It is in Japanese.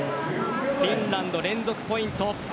フィンランド、連続ポイント。